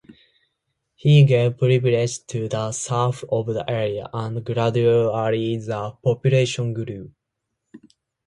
He gave privileges to the serfs of the area, and gradually the population grew.